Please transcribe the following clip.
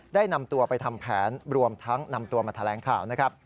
ได้นำตัวไปทำแผนรวมทั้งนำตัวมาทะเลงข้าว